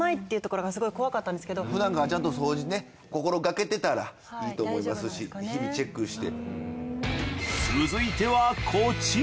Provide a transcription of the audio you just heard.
ふだんからちゃんと掃除ね心がけてたらいいと思いますし日々チェックして。